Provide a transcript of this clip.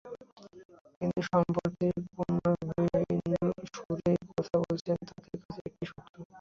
কিন্তু সম্প্রতি সম্পূর্ণ ভিন্ন সুরেই কথা বলেছে তাঁদের কাছের একটি সূত্র।